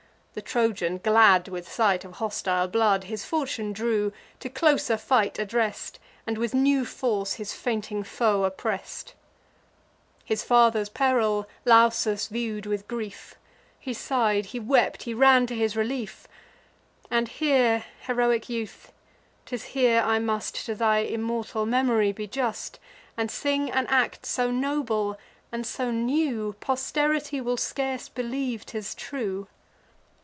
The Trojan, glad with sight of hostile blood, His falchion drew, to closer fight address'd, And with new force his fainting foe oppress'd. His father's peril Lausus view'd with grief; He sigh'd, he wept, he ran to his relief. And here, heroic youth, 'tis here I must To thy immortal memory be just, And sing an act so noble and so new, Posterity will scarce believe 'tis true.